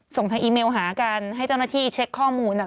ส่งทางอีเมลหากันให้เจ้าหน้าที่เช็คข้อมูล